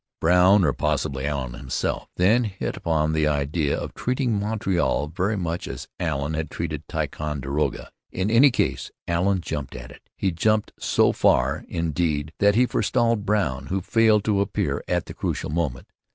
Brown, or possibly Allen himself, then hit upon the idea of treating Montreal very much as Allen had treated Ticonderoga. In any case Allen jumped at it. He jumped so far, indeed, that he forestalled Brown, who failed to appear at the critical moment.